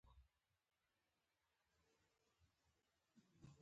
د ګیتا نجلي د متن څو بېلګې.